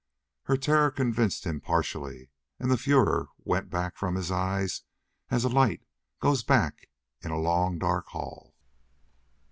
Her terror convinced him partially, and the furor went back from his eyes as a light goes back in a long, dark hall.